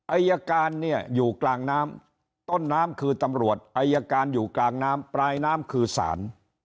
อายการเนี่ยอยู่กลางน้ำต้นน้ำคือตำรวจอายการอยู่กลางน้ำปลายน้ำคือสาร